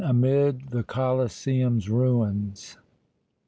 AMID THE COLOSSEUM'S RUINS.